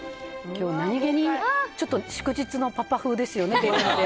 今日、何気に祝日のパパ風ですよね。